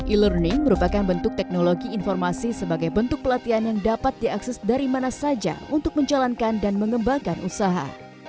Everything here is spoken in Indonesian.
e learning merupakan bentuk teknologi informasi sebagai bentuk pelatihan yang dapat diakses dari mana saja untuk menjalankan dan mengembangkan usaha